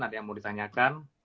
ada yang mau ditanyakan